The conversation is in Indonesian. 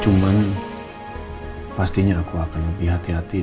cuman pastinya aku akan lebih hati hati